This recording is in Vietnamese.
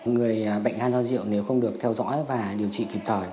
người bệnh han do rượu nếu không được theo dõi và điều trị kịp thời